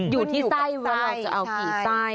อยู่ที่ไส้ว่าเราจะเอากี่ไส้